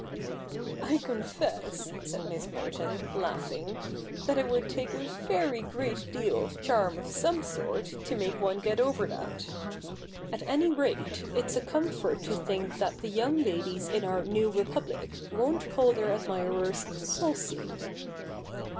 I confess,' said Miss Merton, laughing, 'that it would take a ver} great deal of charm of some sort to make one get over that. At any rate, it's a comfort to think that the young ladies in our new Republic won't call their admirers " saucy."